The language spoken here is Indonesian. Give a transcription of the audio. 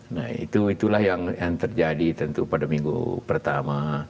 nah itulah yang terjadi tentu pada minggu pertama